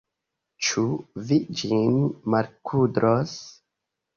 Ĉu vi ĝin malkudros?